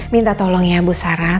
minta tolong ya bu sarah